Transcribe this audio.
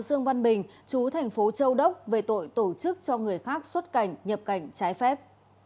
dương văn bình chú thành phố châu đốc về tội tổ chức cho người khác xuất cảnh nhập cảnh trái phép